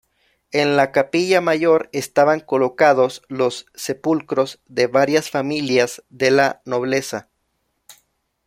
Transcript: En la capilla mayor estaban colocados los sepulcros de varias familias de la nobleza.